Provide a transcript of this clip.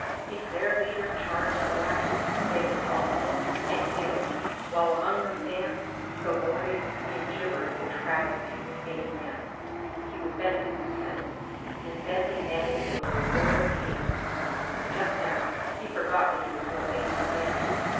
If their leader charged the blacks they would follow and did, while among them danced, cavorted and gibbered the travesty, Apeman. He was Bentley's lieutenant, and Bentley Manape was the lord of the apes. Just now he forgot that he was more ape than man.